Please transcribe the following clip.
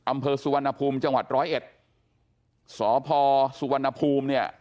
อำเภอสุวรรณภูมิจังหวัดร้อยเอ็ดสพสุวรรณภูมิเนี่ย